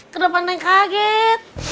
kenapa neng kaget